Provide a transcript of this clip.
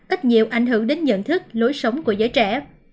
ít nhiều ảnh hưởng đến nhận thức lối sống của giới trẻ